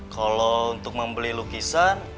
kalau untuk membeli lukisan